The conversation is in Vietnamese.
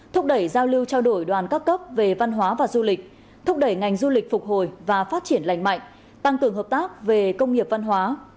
thúc đẩy giao lưu trao đổi đoàn các cấp về văn hóa và du lịch thúc đẩy ngành du lịch phục hồi và phát triển lành mạnh tăng cường hợp tác về công nghiệp văn hóa